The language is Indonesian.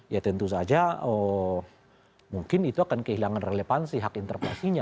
ya tentu saja mungkin itu akan kehilangan relevansi hak interpelasinya